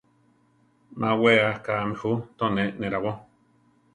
Má we akámi ju, to ne nerábo.